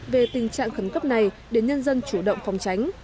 về tình trạng khẩn cấp này để nhân dân chủ động phòng tránh